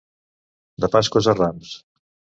De Pasqües a Rams.